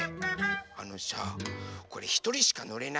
あのさこれひとりしかのれないの。